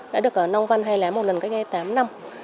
đã được nông van hai lá một lần cách đây tám năm